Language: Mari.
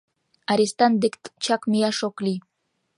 Арестант дек чак мияш ок лий!